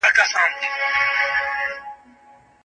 که واټني تدریس واضح وي، مفهوم نه پېچلېږي.